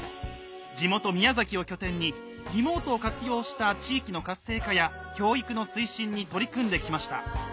地元・宮崎を拠点にリモートを活用した地域の活性化や教育の推進に取り組んできました。